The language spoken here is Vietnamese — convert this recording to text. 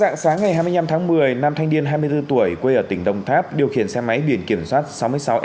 nam thanh niên hai mươi bốn tuổi quê ở tỉnh đông tháp điều khiển xe máy biển kiểm soát sáu mươi sáu s một